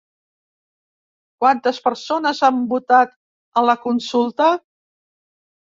Quantes persones han votat a la consulta?